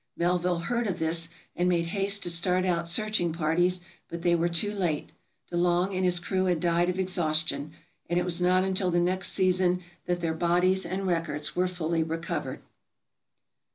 Melville heard of this, and made haste to start out searching parties, but they were too late. De Long and his crew had died of exhaustion, and it was not until the next season that their bodies and records were fully recovered.